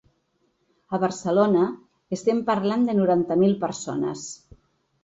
A Barcelona, estem parlant de noranta mil persones.